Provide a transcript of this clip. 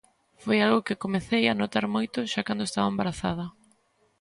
Foi algo que comecei a notar moito xa cando estaba embarazada.